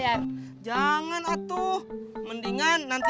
ya nggak ga ada tempat gue tak tahu